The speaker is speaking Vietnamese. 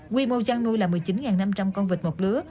quy mô chăn nuôi là một mươi chín năm trăm linh con vịt một lứa